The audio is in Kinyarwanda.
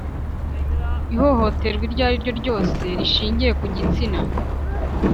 Ihohoterwa iryo ari ryo ryose rishingiye ku gitsina